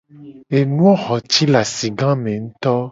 Enuwo xo ci le asigame ngto.